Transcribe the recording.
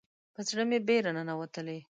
په زړه مې بیره ننوتلې